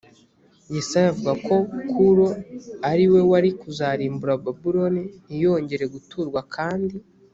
yesaya avuga ko kuro ari we wari kuzarimbura babuloni ntiyongere guturwa kandi